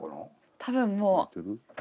多分もう。